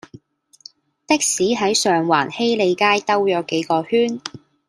的士喺上環禧利街兜左幾個圈